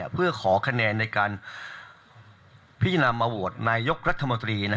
เพื่อขอคะแนนในการพิจารณามาโหวตนายกรัฐมนตรี